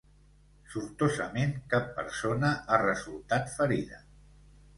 Sortosament cap persona ha resultat ferida.